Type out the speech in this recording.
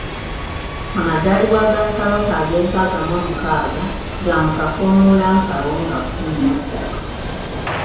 Amazaalibwa ga Kabaka ag'enkaaga mu omukaaga ga mu kafuumulampawu nga kumi nassatu.